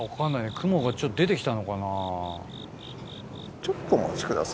雲がちょっと出て来たのかな。